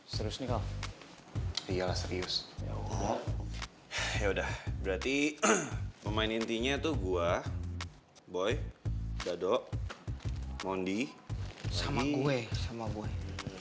serius nih kau iyalah serius ya udah berarti pemain intinya itu gua boy dadok mondi sama gue sama gue